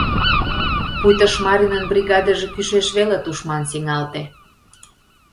Пуйто Шмаринын бригадыже кӱшеш веле тушман сеҥалте.